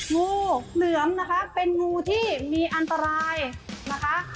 งูเหลือมนะคะเป็นงูที่มีอันตรายนะคะ